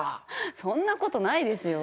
そんな事ないですよ。